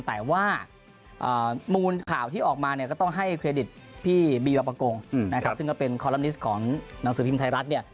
แต่ว่ามูลข่าวที่ออกมาก็ต้องให้เครดิตพี่บีวะปะโกงซึ่งก็เป็นคอลัมนิสต์ของหนังสือพิมพ์ไทยรัฐ